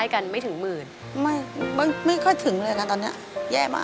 ขอบคุณครับ